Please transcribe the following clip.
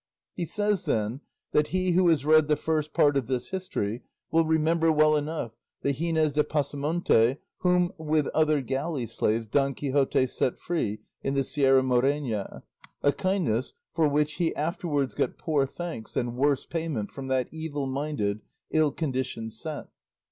He says, then, that he who has read the First Part of this history will remember well enough the Gines de Pasamonte whom, with other galley slaves, Don Quixote set free in the Sierra Morena: a kindness for which he afterwards got poor thanks and worse payment from that evil minded, ill conditioned set.